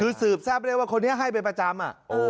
คือสืบทราบได้ว่าคนนี้ให้เป็นประจำ